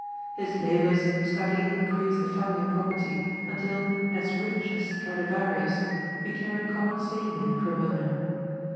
His labors steadily increased the family property until "as rich as Stradivarius" became a common saying in Cremona.